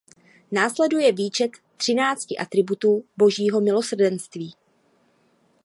Následuje výčet třinácti atributů božího milosrdenství.